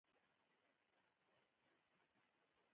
غورځنګونه څنګه سقوط شي یا شول.